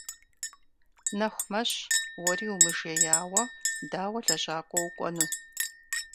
Нэху мэщ, уэри умыжеяуэ дауэ лэжьакӀуэ укӀуэну?